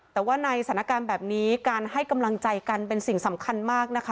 แต่ว่าในสถานการณ์แบบนี้การให้กำลังใจกันเป็นสิ่งสำคัญมากนะคะ